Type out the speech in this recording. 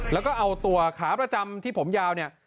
แล้วก็เอาตัวขาประจำที่ผมยาวเนี่ย